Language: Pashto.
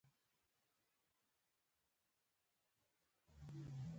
شاه شجاع له خپل پلار څخه سوال وکړ.